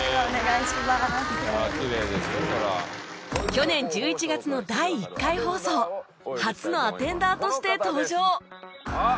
去年１１月の第１回放送初のアテンダーとして登場